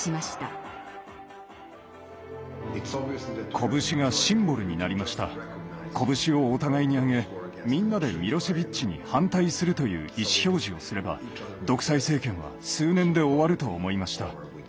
拳をお互いにあげみんなでミロシェヴィッチに反対するという意思表示をすれば独裁政権は数年で終わると思いました。